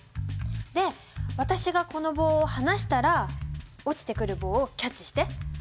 で私がこの棒を離したら落ちてくる棒をキャッチして。